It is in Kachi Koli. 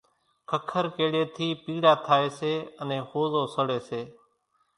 ککر ڪيڙيئيَ ٿِي پيڙا ٿائيَ سي انين ۿوزو سڙيَ سي۔